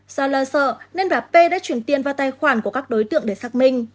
do lo sợ nên bà tê đã chuyển tiền vào tài khoản của các đối tượng để xác minh